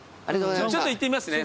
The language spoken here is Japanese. ちょっと行ってみますね。